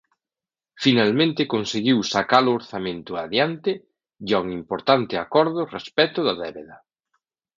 Finalmente conseguiu sacar o orzamento adiante e un importante acordo respecto da Débeda.